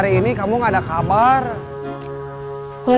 kang jamal sudah perintah main keras